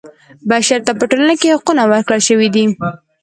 بشر ته په ټولنه کې حقونه ورکړل شوي دي.